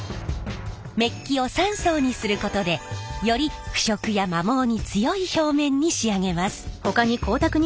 めっきを３層にすることでより腐食や摩耗に強い表面に仕上げます。